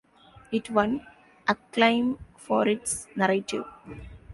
It won acclaim for its narrative.